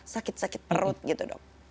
sakit sakit perut gitu dok